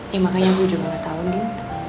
ya makanya gue juga gak tahu nih